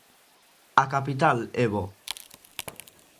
A capital é Bo.